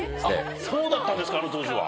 そうだったんですかあの当時は。